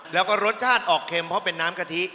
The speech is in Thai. แล้วก็รสชาติออกเค็มเพราะเป็นน้ำกะทิ